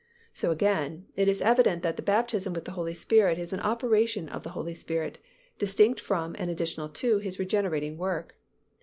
So again, it is evident that the baptism with the Holy Spirit is an operation of the Holy Spirit distinct from and additional to His regenerating work.